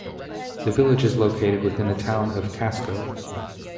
The village is located within the Town of Casco.